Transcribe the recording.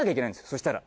そうしたら。